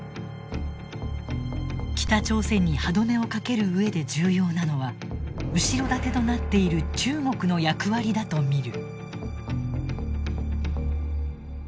北朝鮮に歯止めをかける上で重要なのは後ろ盾となっている中国の役割だと見る。